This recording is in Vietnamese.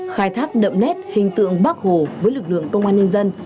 khai thác đậm nét hình tượng bắc hồ với lực lượng công an nhân dân